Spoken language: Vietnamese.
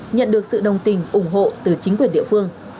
nhận được sự đồng tình ủng hộ từ chính quyền địa phương